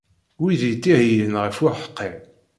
Wid yettihiyen ɣef uḥeqqi.